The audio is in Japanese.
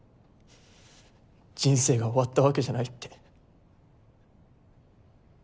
「人生が終わったわけじゃない」って。